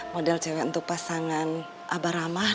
model cewek untuk pasangan abah ramah